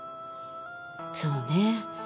そうね。